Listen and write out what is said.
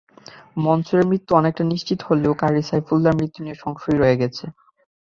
মনসুরের মৃত্যু অনেকটা নিশ্চিত হলেও কারি সাইফুল্লাহর মৃত্যু নিয়ে সংশয় রয়েই গেছে।